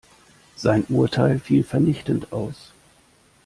Sein Urteil fiel vernichtend aus.